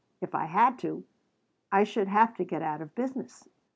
If I had to, I should have to get out of business.